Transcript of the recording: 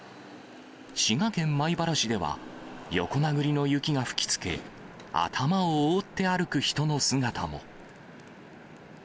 滋賀県米原市では、横殴りの雪が吹きつけ、頭を覆って歩く人の姿も。